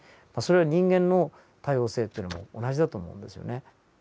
それは人間の多様性というのも同じだと思うんですよね。